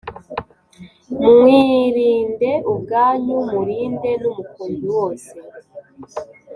Mwirinde ubwanyu murinde n umukumbi wose